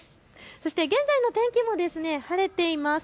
そして現在の天気も晴れています。